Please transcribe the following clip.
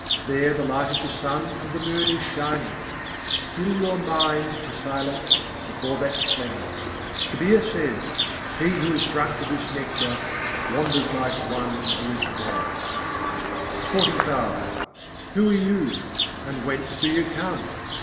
There the light of the sun and the moon is shining: still your mind to silence before that splendour. Kabîr says: "He who has drunk of this nectar, wanders like one who is mad." XLV I. 97. sâdho, ko hai kânh se âyo Who are you, and whence do you come?